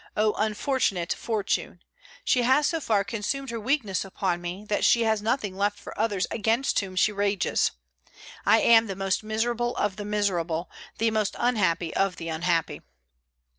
O unfortunate Fortune! She has so far consumed her weakness upon me that she has nothing left for others against whom she rages. I am the most miserable of the miserable, the most unhappy of the unhappy!"